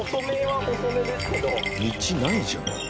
道ないじゃん。